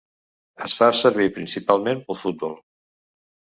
Es fa servir principalment pel futbol.